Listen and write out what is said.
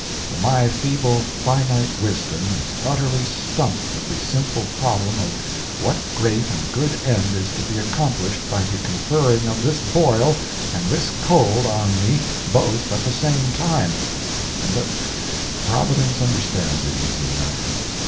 For my feeble finite wisdom is utterly stumped with the simple problem of what great and good end is to be accomplished by the conferring of this boil and this cold on me both at the same time, but Providence understands it easy enough.